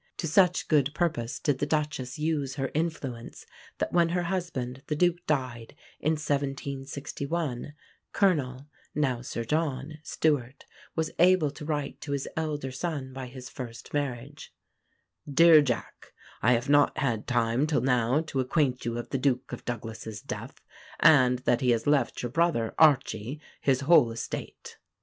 To such good purpose did the Duchess use her influence that when her husband the Duke died, in 1761, Colonel (now Sir John) Stewart was able to write to his elder son by his first marriage: "DEAR JACK, I have not had time till now to acquaint you of the Duke of Douglas's death, and that he has left your brother Archie his whole estate."